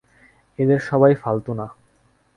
এদের সবাই ফালতু না।